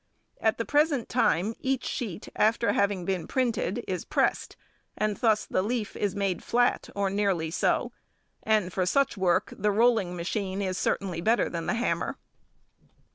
At the present time each sheet after having been printed is pressed, and thus the leaf is made flat or nearly so, and for such work the rolling machine is certainly better than the hammer.